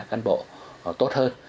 đánh giá cán bộ tốt hơn